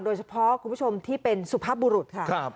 โดยเฉพาะคุณผู้ชมที่เป็นสุภาพบุรุษค่ะครับ